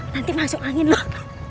nanti masuk angin loh